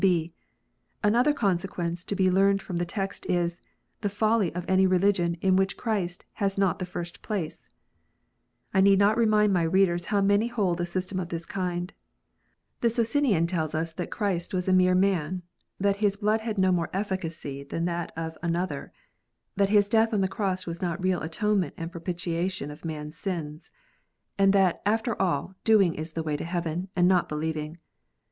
(b) Another consequence to be learned from the text is, the folly of any religion in which Christ has not the first place. I need not remind my readers how many hold a system of this kind. The Socinian tells us that Christ was a mere man ; that His blood had no more efficacy than that of another ; that His death on the cross was not a real atonement and propitiation of man s sins ; and that, after all, doing is the way to heaven, and not believing.